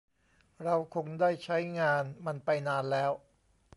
เราคงได้ใช้งานมันไปนานแล้ว